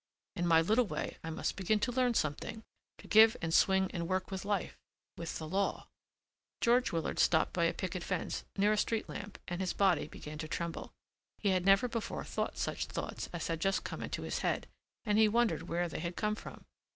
In my little way I must begin to learn something, to give and swing and work with life, with the law." George Willard stopped by a picket fence near a street lamp and his body began to tremble. He had never before thought such thoughts as had just come into his head and he wondered where they had come from.